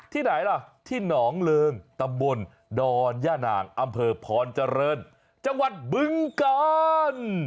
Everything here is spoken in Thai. ไหนล่ะที่หนองเริงตำบลดอนย่านางอำเภอพรเจริญจังหวัดบึงกาล